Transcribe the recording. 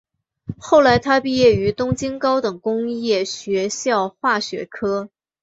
后来他毕业于东京高等工业学校化学科。